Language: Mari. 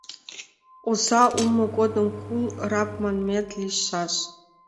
— Оза улмо годым кул, раб манмет, лийшаш.